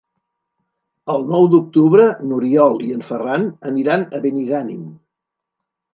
El nou d'octubre n'Oriol i en Ferran aniran a Benigànim.